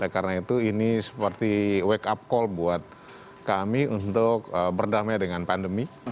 karena itu ini seperti wake up call buat kami untuk berdamai dengan pandemi